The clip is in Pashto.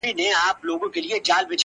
زه ولاړ یم پر ساحل باندي زنګېږم٫